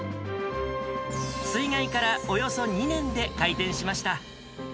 水害からおよそ２年で開店しました。